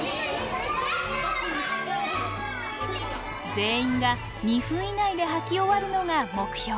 全員が２分以内で履き終わるのが目標です。